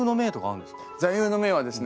座右の銘はですね